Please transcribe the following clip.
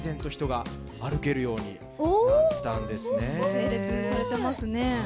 整列されてますね。